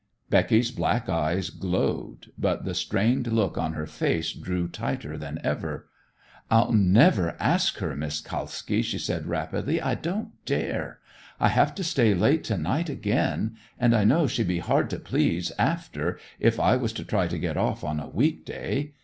Becky's black eyes glowed, but the strained look on her face drew tighter than ever. "I'll never ask her, Miss Kalski," she said rapidly. "I don't dare. I have to stay late to night again; and I know she'd be hard to please after, if I was to try to get off on a week day.